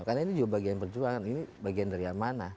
karena ini juga bagian perjuangan ini bagian dari yang mana